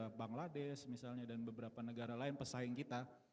di situ ada bangladesh misalnya dan beberapa negara lain pesaing kita